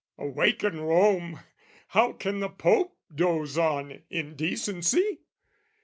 Awaken Rome, How can the Pope doze on in decency?